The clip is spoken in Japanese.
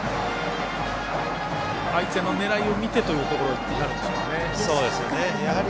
相手の狙いを見てというところになるんでしょうかね。